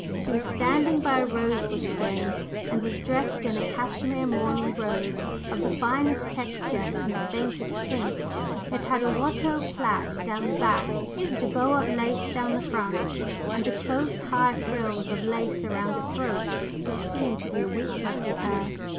She was standing by a rosebush again, and was dressed in a cashmere morning robe of the finest texture and the faintest pink: it had a Watteau plait down the back, jabot of lace down the front, and the close, high frills of lace around the throat which seemed to be a weakness with her.